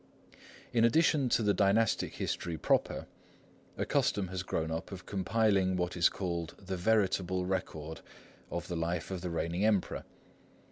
In addition to the Dynastic History proper, a custom has grown up of compiling what is called the "Veritable Record" of the life of the reigning Emperor.